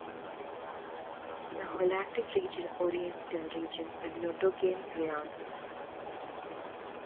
The Holarctic region, Oriental region and Notogaean realm.